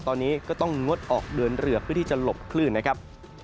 ตอนนี้ก็ต้องงดออกเดินเรือเพื่อที่จะหลบคลื่นนะครับ